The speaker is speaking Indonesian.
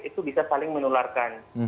itu bisa saling menularkan